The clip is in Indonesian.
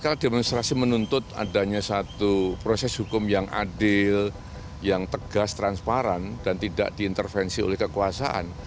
kalau demonstrasi menuntut adanya satu proses hukum yang adil yang tegas transparan dan tidak diintervensi oleh kekuasaan